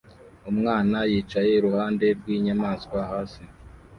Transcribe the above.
umwana yicaye iruhande rwinyamaswa hasi